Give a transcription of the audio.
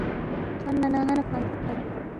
تھونما نہ ن٘ا نہ کھوانگ تھُوکپت